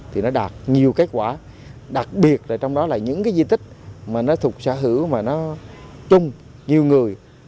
thì nó đạt nhiều kết quả đặc biệt là trong đó là những cái di tích mà nó thuộc sở hữu mà nó chung nhiều người